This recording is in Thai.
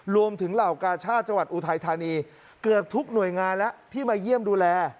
เหล่ากาชาติจังหวัดอุทัยธานีเกือบทุกหน่วยงานแล้วที่มาเยี่ยมดูแล